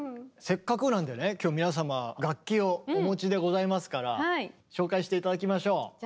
せっかくなんでね今日皆様楽器をお持ちでございますから紹介して頂きましょう。